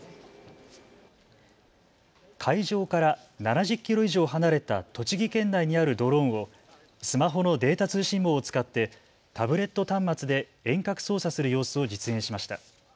会場から７０キロ以上離れた栃木県内にあるドローンをスマホのデータ通信網を使ってタブレット端末で遠隔操作する様子を実演しました。